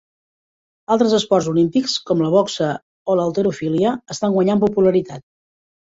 Altres esports olímpics, com la boxa o l'halterofília, estan guanyant popularitat.